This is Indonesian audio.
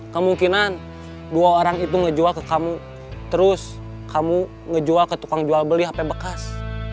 kemungkinan dua orang itu ngejual ke kamu terus kamu ngejual ke tukang jual beli hp bekas